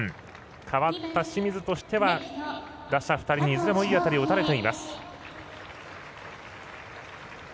代わった清水としては打者２人に、いずれもいい当たりを打たれています。